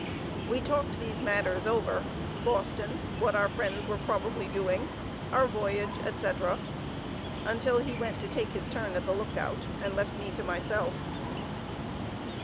We talked these matters over:—Boston, what our friends were probably doing, our voyage, etc., until he went to take his turn at the lookout, and left me to myself.